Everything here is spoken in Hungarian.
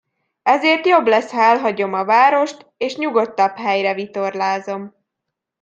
Ezért jobb lesz, ha elhagyom a várost, és nyugodtabb helyre vitorlázom.